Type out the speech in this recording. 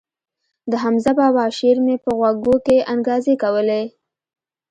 د حمزه بابا شعر مې په غوږو کښې انګازې کولې.